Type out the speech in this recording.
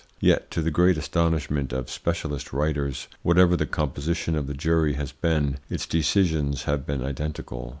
Yet, to the great astonishment of specialist writers, whatever the composition of the jury has been, its decisions have been identical.